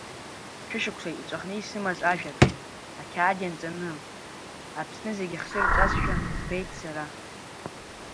Шәышықәса иҵәахны исымаз ажәабжь, ақьаад ианҵаны, Аԥсны зегь иахсырҵәазшәа збеит сара…